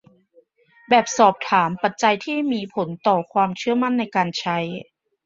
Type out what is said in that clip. แบบสอบถาม : ปัจจัยที่มีผลต่อความเชื่อมั่นในการใช้